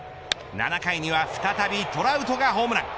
７回には再びトラウトがホームラン。